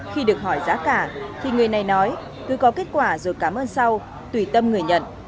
khi được hỏi giá cả thì người này nói cứ có kết quả rồi cảm ơn sau tùy tâm người nhận